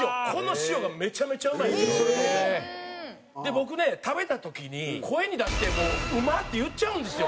僕ね食べた時に声に出して「うまぁ」って言っちゃうんですよ